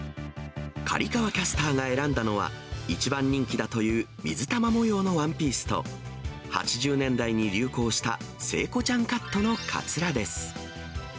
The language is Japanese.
刈川キャスターが選んだのは、一番人気だという水玉模様のワンピースと、８０年代に流行した聖子ちゃんカットのかつらです。